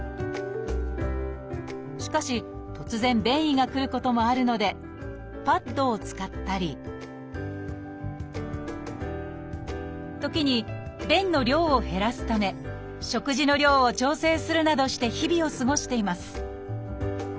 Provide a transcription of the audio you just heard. しかし突然便意が来ることもあるのでパッドを使ったり時に便の量を減らすため食事の量を調整するなどして日々を過ごしています